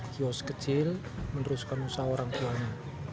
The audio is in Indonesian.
kiosk kecil meneruskan usaha orang tuanya